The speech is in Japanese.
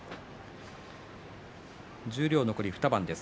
十両残り２番です。